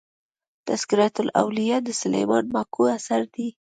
تذکرة الاولياء د سلېمان ماکو اثر دئ.